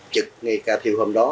trực ngay ca thiêu hôm đó